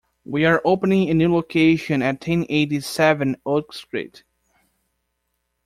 We are opening a new location at ten eighty-seven Oak Street.